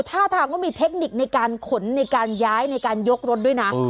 ท่าทางก็มีเทคนิคในการขนในการย้ายในการยกรถด้วยนะ